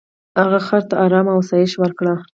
هغه خر ته ارام او آسایش ورکړ.